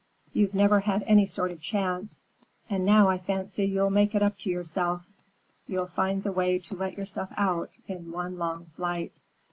You've never had any sort of chance, and now I fancy you'll make it up to yourself. You'll find the way to let yourself out in one long flight."